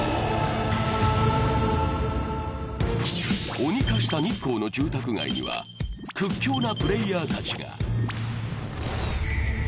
鬼化した日光の住宅街には屈強なプレーヤーたちが。